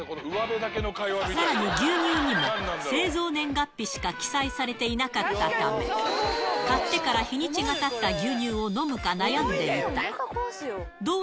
さらに牛乳にも、製造年月日しか記載されていなかったため、買ってから日にちがたった牛乳を飲むか悩んでいた。